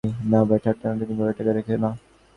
না ভাই, ঠাট্টা না, তুমি ঘরে টাকা রেখো না।